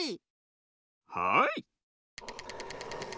はい。